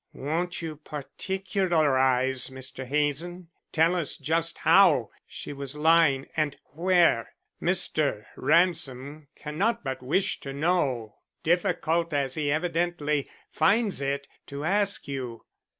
"Won't you particularize, Mr. Hazen? Tell us just how she was lying and where. Mr. Ransom cannot but wish to know, difficult as he evidently finds it to ask you."